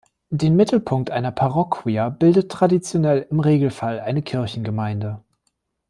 Den Mittelpunkt einer "Parroquia" bildete traditionell im Regelfall eine Kirchengemeinde.